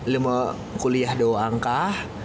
lu mau kuliah doang kah